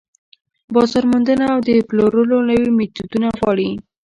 بازار موندنه او د پلورلو نوي ميتودونه غواړي.